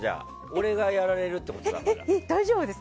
俺がやられるってことで。